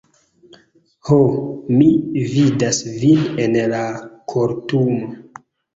Ho, mi vidas vin en la kortumo.